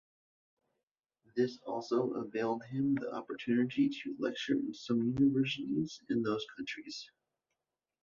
This also availed him the opportunity to lecture in some universities in those countries.